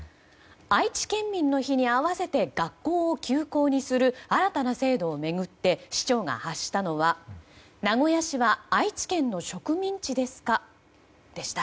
愛知県民の日に併せて学校を休校にする新たな制度を巡って市長が発したのは名古屋市は愛知県の植民地ですかでした。